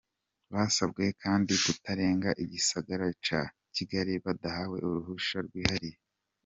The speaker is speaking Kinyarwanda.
Basabwe kandi kutarenga igisagara ca Kigali badahawe uruhusha rwihariye.